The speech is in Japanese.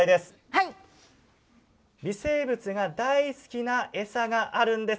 微生物が大好きな餌があるんです。